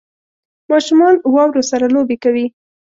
ماشومان واورو سره لوبې کوي